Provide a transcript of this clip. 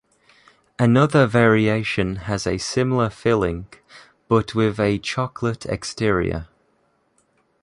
Another variation has a similar filling, but with a chocolate exterior.